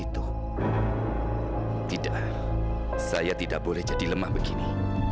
tidak saya tidak boleh jadi lemah begini